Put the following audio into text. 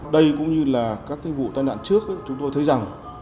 đây cũng như là các cái vụ tai nạn trước chúng tôi thấy rằng